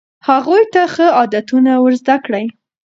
هغوی ته ښه عادتونه ور زده کړئ.